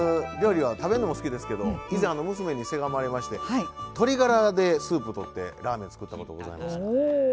料理は食べるのも好きですけど以前、娘にせがまれまして鶏がらでスープをとってラーメンを作ったことがございます。